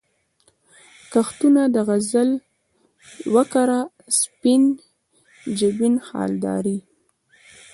کښتونه د غزل وکره، سپین جبین خالدارې